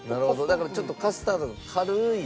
だからちょっとカスタードの軽い。